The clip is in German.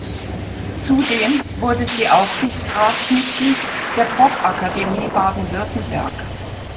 Zudem wurde sie Aufsichtsratsmitglied der Popakademie Baden-Württemberg.